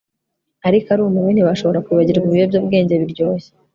ariko arumiwe ntibashobora kwibagirwa ibiyobyabwenge biryoshye